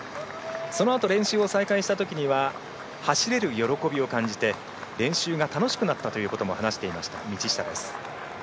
そのあと練習を再開したときには走れる喜びを感じて練習が楽しくなったと話していました、道下です。